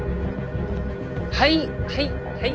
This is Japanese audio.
はいはいはい。